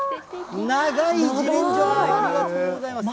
長いじねんじょ、ありがとうございます。